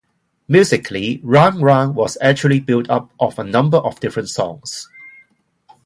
Musically, "Round Round" was actually built up of a number of different songs.